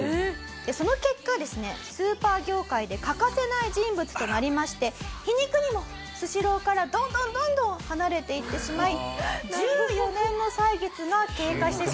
その結果ですねスーパー業界で欠かせない人物となりまして皮肉にもスシローからどんどんどんどん離れていってしまい１４年の歳月が経過して。